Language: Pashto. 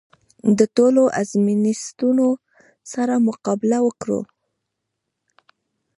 د ټولو ازمېښتونو سره مقابله وکړو.